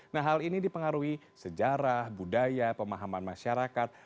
nah hal ini dipengaruhi sejarah budaya pemahaman masyarakat